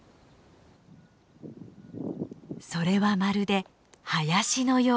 それはまるで林のよう。